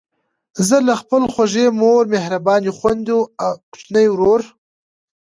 زه له خپلې خوږې مور، مهربانو خویندو، کوچني ورور،